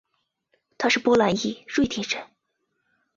他是波兰裔瑞典人。